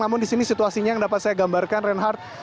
namun di sini situasinya yang dapat saya gambarkan reinhardt